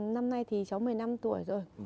năm nay thì cháu một mươi năm tuổi rồi